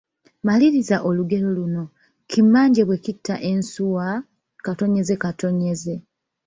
Maliriza olugero luno: Kimmanje bwe kita ensuwa....